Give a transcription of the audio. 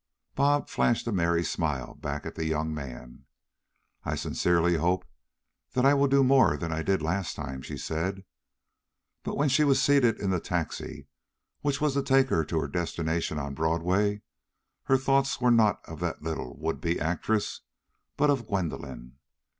Bobs flashed a merry smile back at the young man. "I sincerely hope that I will do more than I did last time," she said, but, when she was seated in the taxi which was to take her to her destination on Broadway, her thoughts were not of the little would be actress, but of Gwendolyn.